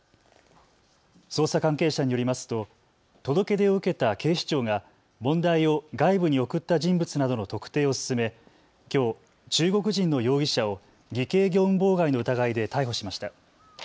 捜査関係者によりますと届け出を受けた警視庁が問題を外部に送った人物などの特定を進め、きょう中国人の容疑者を偽計業務妨害の疑いで逮捕しました。